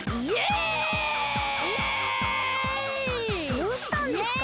どうしたんですか？